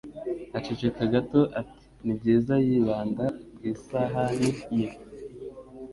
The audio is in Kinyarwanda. Aceceka gato ati: "Nibyiza", yibanda ku isahani ye.